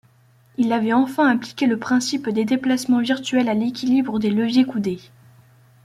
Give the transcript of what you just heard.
Il avait enfin appliqué le principe des déplacements virtuels à l’équilibre des leviers coudés.